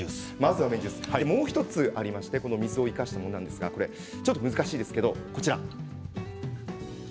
もう１つありましてこの水を生かしたものちょっと難しいですがこちら。